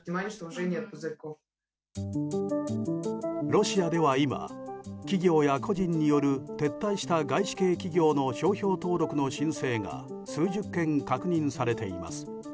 ロシアでは今企業や個人による撤退した外資系企業の商標登録の申請が数十件確認されています。